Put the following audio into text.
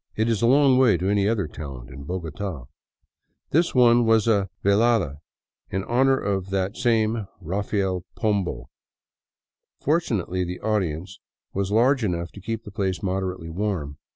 It is a long way to any other talent in Bogota. This one was a velada in honor of that same Rafael Pombo. Fortunately the audience was large enough to keep .the place moderately warm.